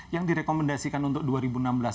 yang direkomendasikan untuk dua ribu enam belas